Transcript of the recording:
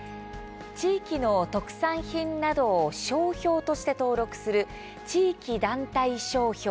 地域の特産品などを商標として登録する地域団体商標。